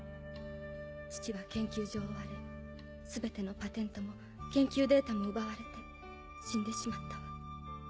父は研究所を追われ全てのパテントも研究データも奪われて死んでしまったわ。